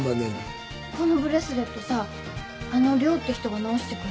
このブレスレットさあの涼って人が直してくれたんだって。